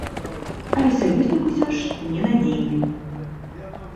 Але саюзнік усё ж ненадзейны.